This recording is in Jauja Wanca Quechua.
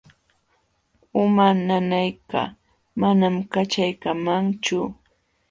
Uma nanaykaq manam kaćhaykamanchu.